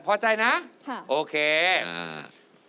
พอใจนะโอเคค่ะค่ะ